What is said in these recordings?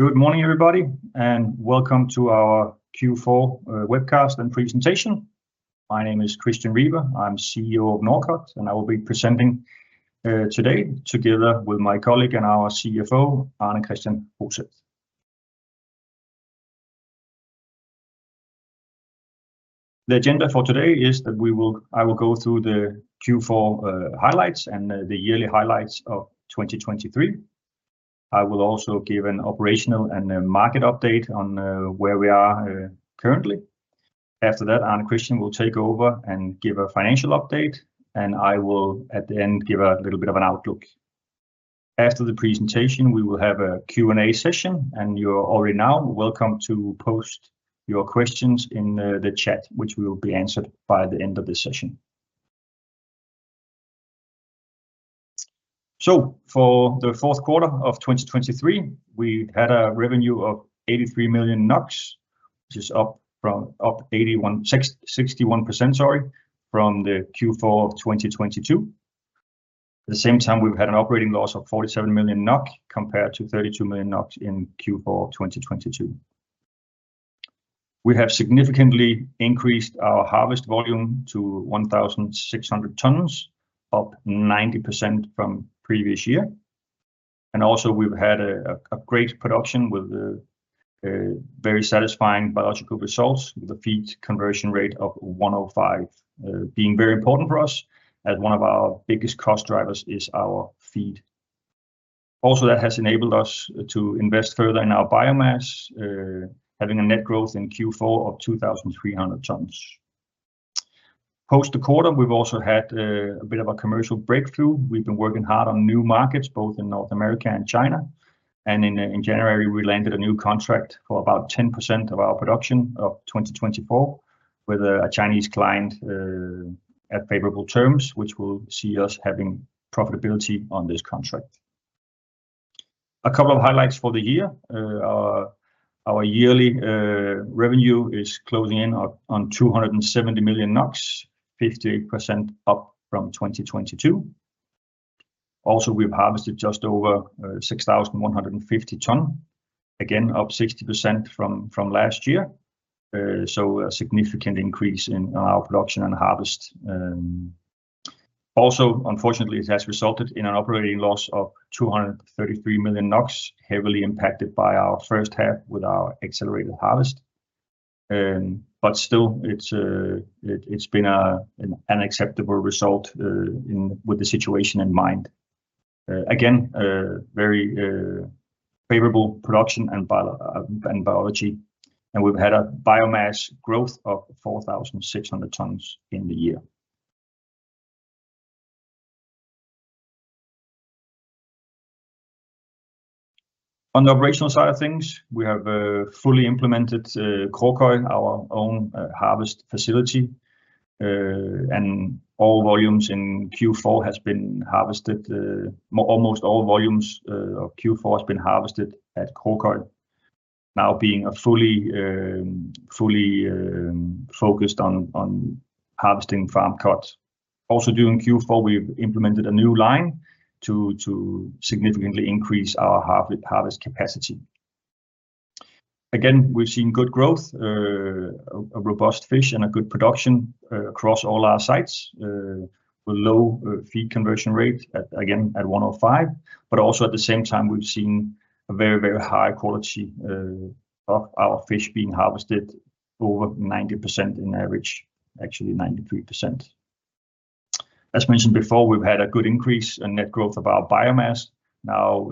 Good morning, everybody, and welcome to our Q4 webcast and presentation. My name is Christian Riber. I'm CEO of Norcod, and I will be presenting today together with my colleague and our CFO, Arne Kristian Hoset. The agenda for today is that I will go through the Q4 highlights and the yearly highlights of 2023. I will also give an operational and market update on where we are currently. After that, Arne Kristian Hoset will take over and give a financial update, and I will, at the end, give a little bit of an outlook. After the presentation, we will have a Q&A session, and you are already now welcome to post your questions in the chat, which will be answered by the end of this session. So for the fourth quarter of 2023, we had a revenue of 83 million NOK, which is up 61%, sorry, from the Q4 of 2022. At the same time, we've had an operating loss of 47 million NOK compared to 32 million NOK in Q4 of 2022. We have significantly increased our harvest volume to 1,600 tons, up 90% from previous year. And also, we've had a great production with very satisfying biological results, with a feed conversion rate of 1.05, being very important for us as one of our biggest cost drivers is our feed. Also, that has enabled us to invest further in our biomass, having a net growth in Q4 of 2,300 tons. Post the quarter, we've also had a bit of a commercial breakthrough. We've been working hard on new markets, both in North America and China. In January, we landed a new contract for about 10% of our production of 2024 with a Chinese client at favorable terms, which will see us having profitability on this contract. A couple of highlights for the year: our yearly revenue is closing in on 270 million NOK, 58% up from 2022. Also, we've harvested just over 6,150 tons, again up 60% from last year, so a significant increase in our production and harvest. Also, unfortunately, it has resulted in an operating loss of 233 million NOK, heavily impacted by our first half with our accelerated harvest. But still, it's been an unacceptable result with the situation in mind. Again, very favorable production and biology, and we've had a biomass growth of 4,600 tons in the year. On the operational side of things, we have fully implemented Kråkøy, our own harvest facility, and all volumes in Q4 have been harvested. Almost all volumes of Q4 have been harvested at Kråkøy, now being fully focused on harvesting farmed cod. Also, during Q4, we've implemented a new line to significantly increase our harvest capacity. Again, we've seen good growth, robust fish, and a good production across all our sites with low feed conversion rate, again at 1.05. But also, at the same time, we've seen a very, very high quality of our fish being harvested, over 90% in average, actually 93%. As mentioned before, we've had a good increase in net growth of our biomass, now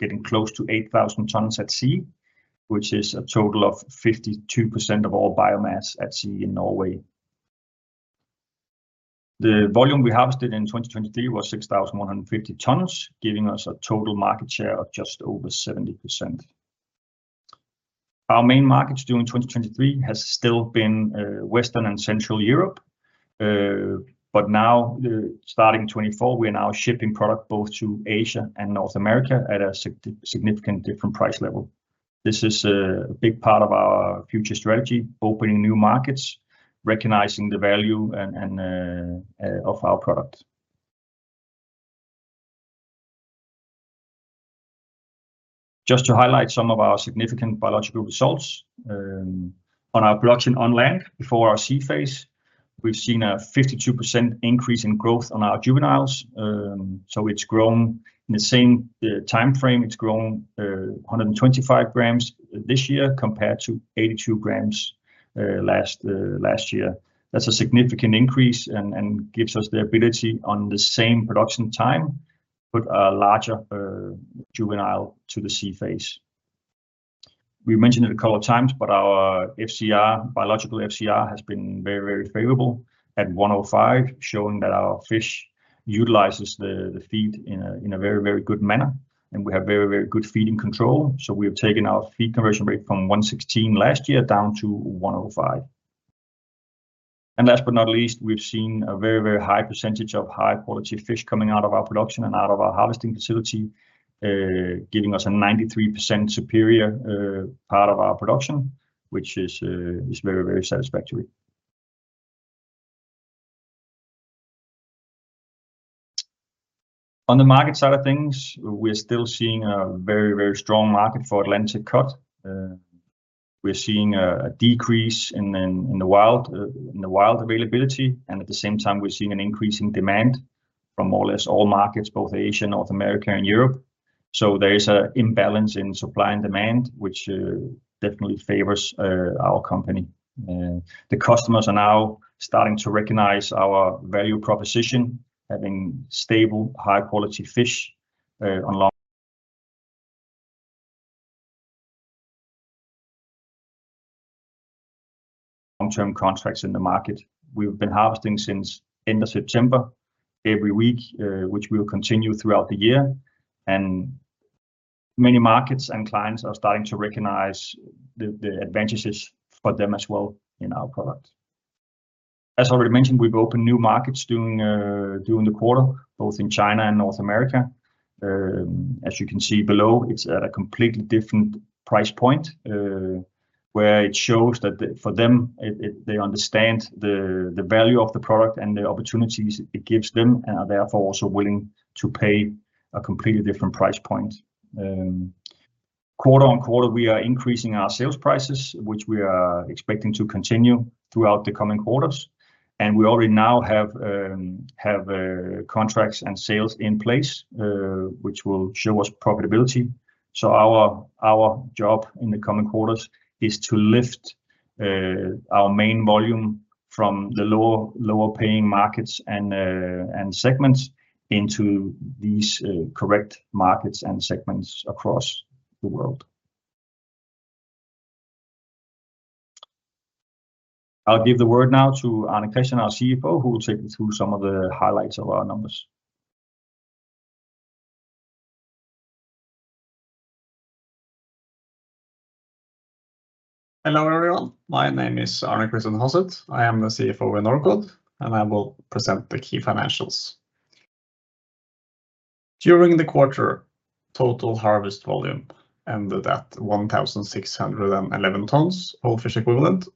getting close to 8,000 tons at sea, which is a total of 52% of all biomass at sea in Norway. The volume we harvested in 2023 was 6,150 tons, giving us a total market share of just over 70%. Our main markets during 2023 have still been Western and Central Europe. But now, starting 2024, we are now shipping product both to Asia and North America at a significantly different price level. This is a big part of our future strategy: opening new markets, recognizing the value of our product. Just to highlight some of our significant biological results, on our production on land before our sea phase, we've seen a 52% increase in growth on our juveniles. So it's grown in the same time frame. It's grown 125 grams this year compared to 82 grams last year. That's a significant increase and gives us the ability, on the same production time, to put a larger juvenile to the sea phase. We mentioned it a couple of times, but our biological FCR has been very, very favorable at 105, showing that our fish utilizes the feed in a very, very good manner, and we have very, very good feeding control. So we have taken our feed conversion rate from 1.16 last year down to 1.05. And last but not least, we've seen a very, very high percentage of high-quality fish coming out of our production and out of our harvesting facility, giving us a 93% superior part of our production, which is very, very satisfactory. On the market side of things, we are still seeing a very, very strong market for Atlantic cod. We're seeing a decrease in the wild availability, and at the same time, we're seeing an increasing demand from more or less all markets, both Asia, North America, and Europe. There is an imbalance in supply and demand, which definitely favors our company. The customers are now starting to recognize our value proposition, having stable, high-quality fish on long-term contracts in the market. We've been harvesting since end of September every week, which will continue throughout the year. Many markets and clients are starting to recognize the advantages for them as well in our product. As already mentioned, we've opened new markets during the quarter, both in China and North America. As you can see below, it's at a completely different price point, where it shows that for them, they understand the value of the product and the opportunities it gives them and are therefore also willing to pay a completely different price point. Quarter-over-quarter, we are increasing our sales prices, which we are expecting to continue throughout the coming quarters. We already now have contracts and sales in place, which will show us profitability. Our job in the coming quarters is to lift our main volume from the lower-paying markets and segments into these correct markets and segments across the world. I'll give the word now to Arne Kristian, our CFO, who will take me through some of the highlights of our numbers. Hello everyone. My name is Arne Kristian Hoset. I am the CFO in Norcod, and I will present the key financials. During the quarter, total harvest volume ended at 1,611 tons, whole fish equivalent.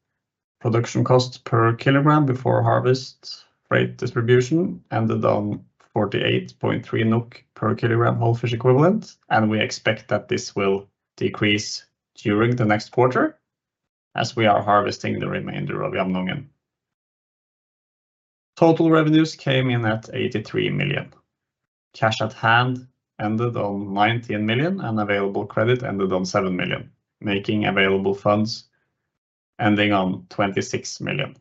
Production cost per kilogram before harvest, freight distribution, ended on 48.3 NOK/kg whole fish equivalent. We expect that this will decrease during the next quarter as we are harvesting the remainder of Jamnungen. Total revenues came in at 83 million. Cash at hand ended on 19 million, and available credit ended on 7 million, making available funds ending on 26 million.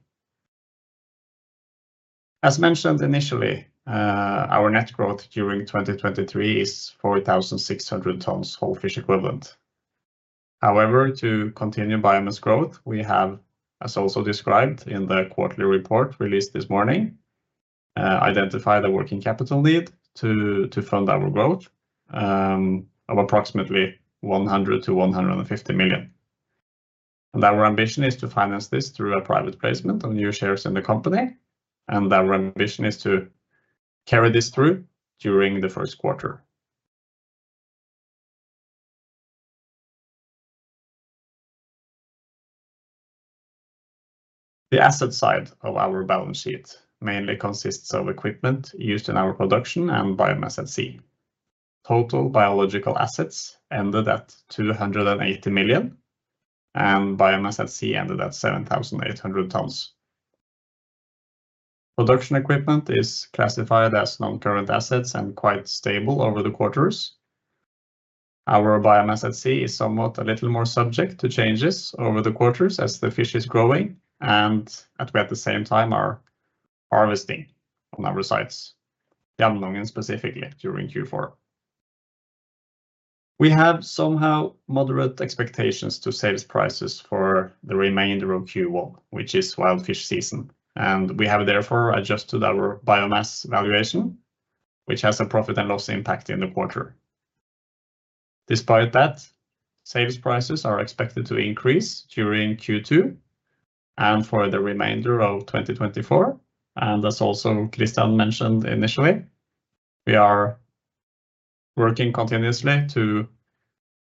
As mentioned initially, our net growth during 2023 is 4,600 tons, whole fish equivalent. However, to continue biomass growth, we have, as also described in the quarterly report released this morning, identified a working capital need to fund our growth of approximately 100 million-150 million. Our ambition is to finance this through a private placement of new shares in the company. Our ambition is to carry this through during the first quarter. The asset side of our balance sheet mainly consists of equipment used in our production and biomass at sea. Total biological assets ended at 280 million, and biomass at sea ended at 7,800 tons. Production equipment is classified as non-current assets and quite stable over the quarters. Our biomass at sea is somewhat a little more subject to changes over the quarters as the fish is growing and at the same time our harvesting on other sites, Jamnungen specifically, during Q4. We have somehow moderate expectations to sales prices for the remainder of Q1, which is wild fish season. We have therefore adjusted our biomass valuation, which has a profit and loss impact in the quarter. Despite that, sales prices are expected to increase during Q2 and for the remainder of 2024. As also Christian mentioned initially, we are working continuously to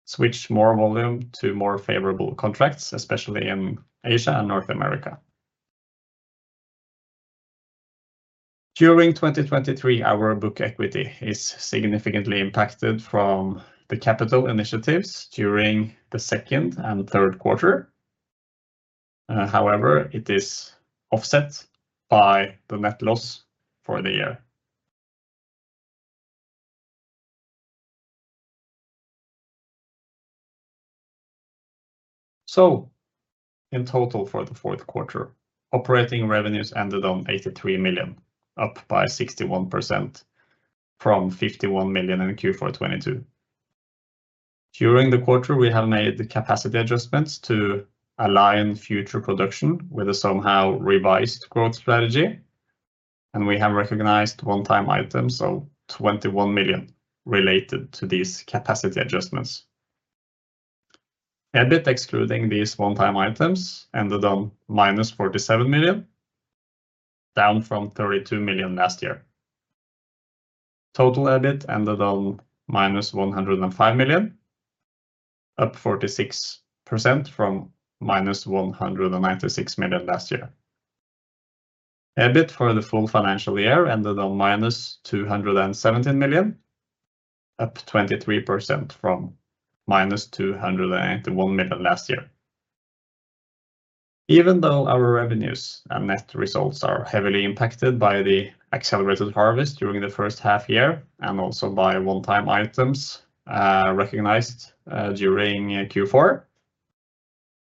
switch more volume to more favorable contracts, especially in Asia and North America. During 2023, our book equity is significantly impacted from the capital initiatives during the second and third quarter. However, it is offset by the net loss for the year. In total, for the fourth quarter, operating revenues ended on 83 million, up by 61% from 51 million in Q4 2022. During the quarter, we have made capacity adjustments to align future production with a somehow revised growth strategy. We have recognized one-time items, so 21 million, related to these capacity adjustments. EBIT excluding these one-time items ended on -47 million, down from 32 million last year. Total EBIT ended on -105 million, up 46% from -196 million last year. EBIT for the full financial year ended on -217 million, up 23% from -281 million last year. Even though our revenues and net results are heavily impacted by the accelerated harvest during the first half year and also by one-time items recognized during Q4,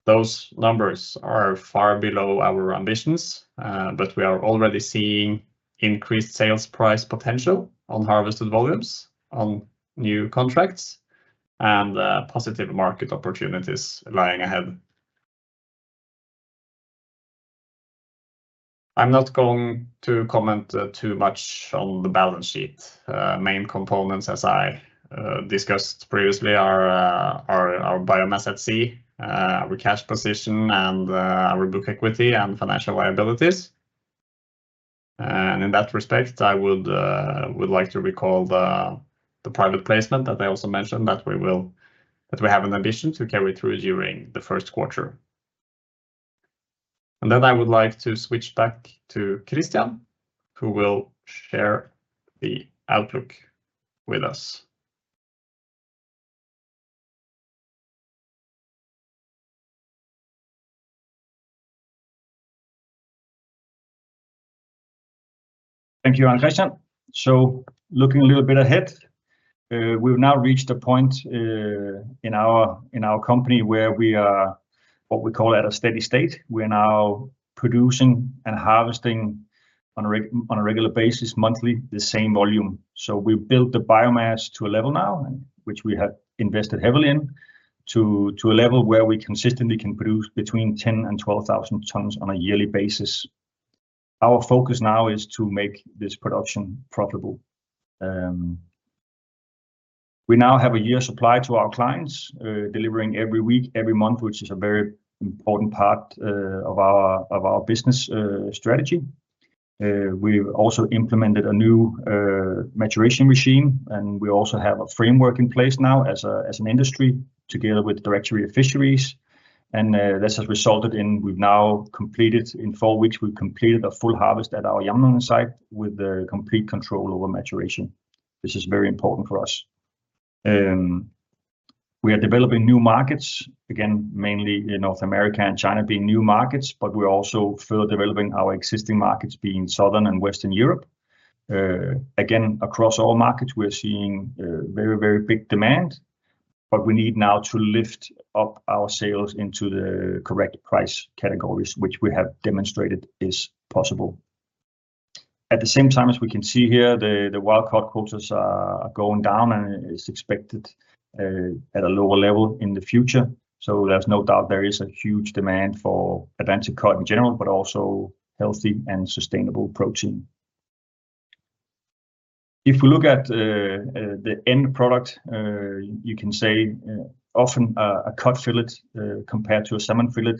those numbers are far below our ambitions. But we are already seeing increased sales price potential on harvested volumes, on new contracts, and positive market opportunities lying ahead. I'm not going to comment too much on the balance sheet. Main components, as I discussed previously, are our biomass at sea, our cash position, and our book equity and financial liabilities. And in that respect, I would like to recall the private placement that I also mentioned, that we have an ambition to carry through during the first quarter. Then I would like to switch back to Christian, who will share the outlook with us. Thank you, Arne Kristian. Looking a little bit ahead, we've now reached a point in our company where we are what we call at a steady state. We are now producing and harvesting on a regular basis, monthly, the same volume. So we've built the biomass to a level now, which we have invested heavily in, to a level where we consistently can produce between 10,000-12,000 tons on a yearly basis. Our focus now is to make this production profitable. We now have a year's supply to our clients, delivering every week, every month, which is a very important part of our business strategy. We've also implemented a new maturation regime, and we also have a framework in place now as an industry together with the Directorate of Fisheries. This has resulted in we've now completed in four weeks, we've completed a full harvest at our Jamnungen site with complete control over maturation. This is very important for us. We are developing new markets, again, mainly North America and China being new markets, but we're also further developing our existing markets being Southern and Western Europe. Again, across all markets, we are seeing very, very big demand. But we need now to lift up our sales into the correct price categories, which we have demonstrated is possible. At the same time, as we can see here, the wild cod quotas are going down, and it's expected at a lower level in the future. So there's no doubt there is a huge demand for Atlantic cod in general, but also healthy and sustainable protein. If we look at the end product, you can say often a cod fillet compared to a salmon fillet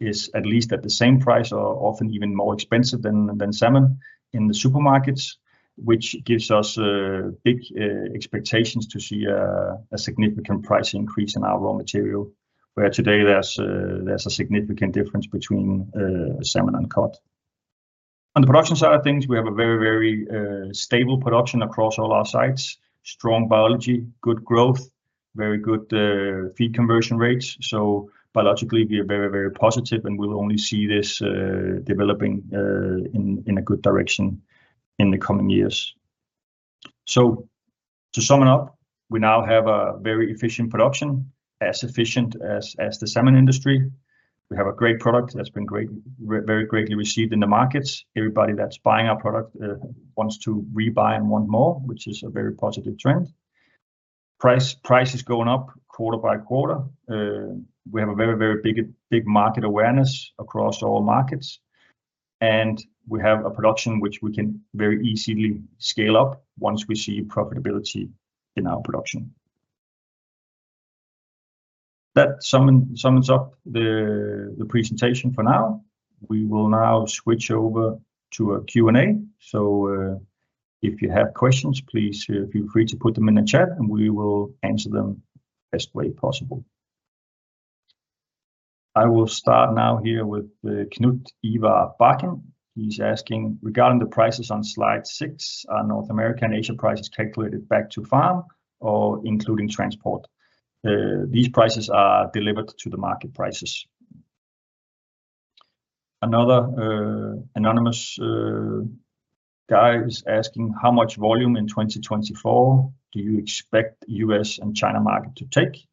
is at least at the same price or often even more expensive than salmon in the supermarkets, which gives us big expectations to see a significant price increase in our raw material, where today there's a significant difference between salmon and cod. On the production side of things, we have a very, very stable production across all our sites, strong biology, good growth, very good feed conversion rates. So biologically, we are very, very positive, and we'll only see this developing in a good direction in the coming years. So to sum it up, we now have a very efficient production, as efficient as the salmon industry. We have a great product that's been very greatly received in the markets. Everybody that's buying our product wants to rebuy and want more, which is a very positive trend. Price is going up quarter by quarter. We have a very, very big market awareness across all markets. And we have a production which we can very easily scale up once we see profitability in our production. That summons up the presentation for now. We will now switch over to a Q&A. So if you have questions, please feel free to put them in the chat, and we will answer them the best way possible. I will start now here with Knut-Ivar Bakken. He's asking regarding the prices on slide six, are North America and Asia prices calculated back to farm or including transport? These prices are delivered to the market prices. Another anonymous guy is asking how much volume in 2024 do you expect the U.S. and China market to take?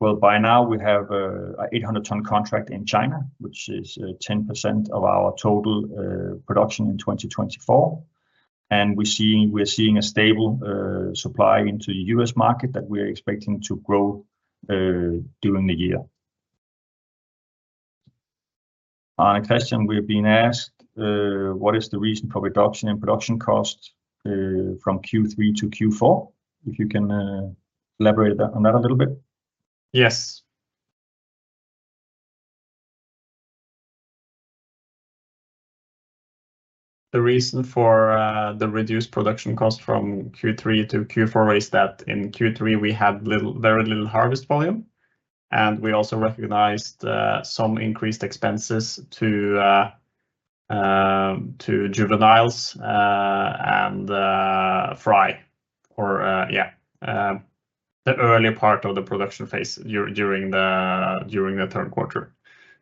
Well, by now, we have an 800-ton contract in China, which is 10% of our total production in 2024. And we're seeing a stable supply into the U.S. market that we are expecting to grow during the year. Arne Kristian, we've been asked what is the reason for reduction in production cost from Q3 to Q4, if you can elaborate on that a little bit. Yes. The reason for the reduced production cost from Q3 to Q4 is that in Q3, we had very little harvest volume. And we also recognized some increased expenses to juveniles and fry, or yeah, the earlier part of the production phase during the third quarter.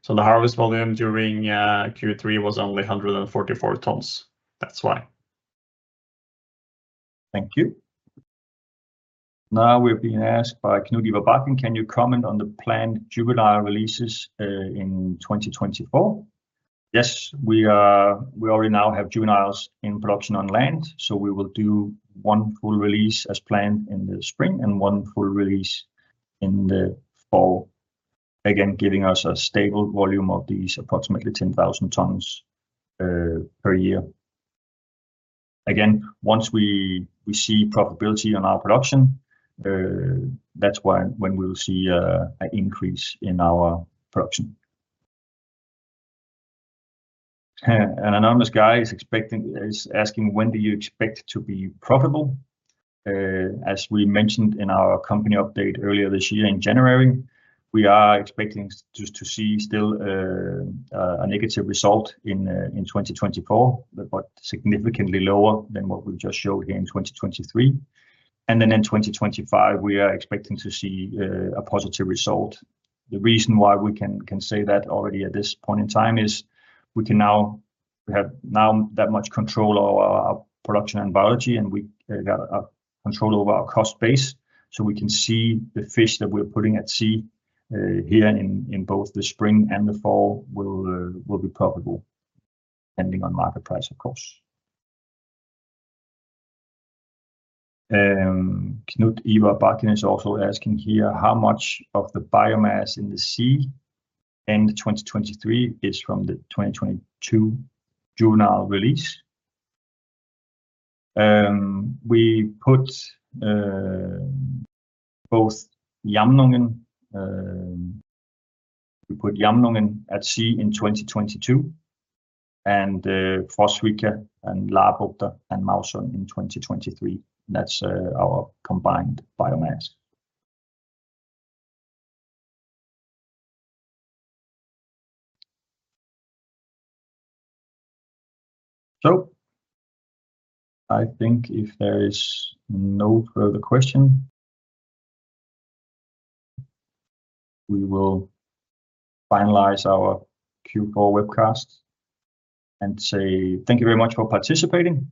So the harvest volume during Q3 was only 144 tons. That's why. Thank you. Now we've been asked by Knut-Ivar Bakken, can you comment on the planned juvenile releases in 2024? Yes, we already now have juveniles in production on land. So we will do one full release as planned in the spring and one full release in the fall, again, giving us a stable volume of these approximately 10,000 tons per year. Again, once we see profitability on our production, that's when we will see an increase in our production. An anonymous guy is asking when do you expect to be profitable? As we mentioned in our company update earlier this year in January, we are expecting to see still a negative result in 2024, but significantly lower than what we just showed here in 2023. And then in 2025, we are expecting to see a positive result. The reason why we can say that already at this point in time is we have now that much control over our production and biology, and we got control over our cost base. So we can see the fish that we're putting at sea here in both the spring and the fall will be profitable, depending on market price, of course. Knut-Ivar Bakken is also asking here how much of the biomass in the sea end 2023 is from the 2022 juvenile release. We put both Jamnungen at sea in 2022 and Frosvika and Labukta and Mausund in 2023. That's our combined biomass. So I think if there is no further question, we will finalize our Q4 webcast and say thank you very much for participating.